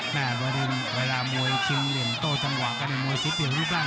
แน่นว่าดินเวลามวยชิงเรียนโต้จังหวะกันในมวยสิบเดียวหรือเปล่า